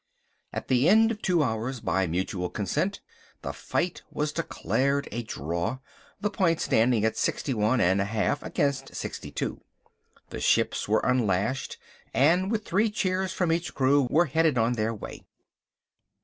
At the end of two hours, by mutual consent, the fight was declared a draw. The points standing at sixty one and a half against sixty two. The ships were unlashed, and with three cheers from each crew, were headed on their way.